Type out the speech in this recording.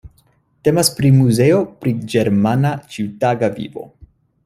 Temas pri muzeo pri ĝermana ĉiutaga vivo.